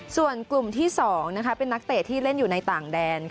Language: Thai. ส่วนกลุ่มที่๒เป็นนักเตะที่เล่นอยู่ในต่างแดน